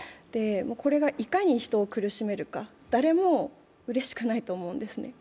これがいかに人を苦しめるか、誰もうれしくないと思うんですね。